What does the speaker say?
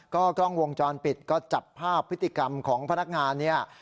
กล้องวงจรปิดก็จับภาพพฤติกรรมของพนักงานเนี่ย